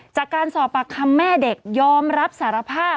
จากการสอบปากคำแม่เด็กยอมรับสารภาพ